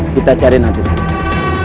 kita cari nanti sekali